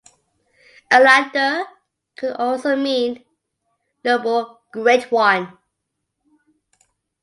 Alatar could also mean "Noble, great one".